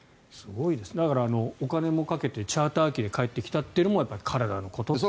だからお金もかけてチャーター機で帰ってきたというのも体のことという。